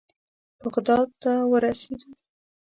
بغداد ته ورسېدو.